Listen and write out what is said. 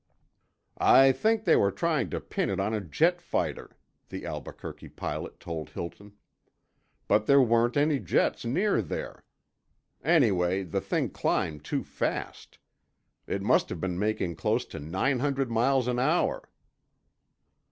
"I think they were trying to pin it on a jet fighter," the Albuquerque pilot told Hilton. "But there weren't any jets near there. Anyway, the thing climbed too fast. It must have been making close to nine hundred miles an hour."